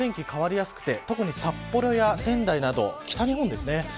変わりやすくて特に札幌や仙台など北日本ですね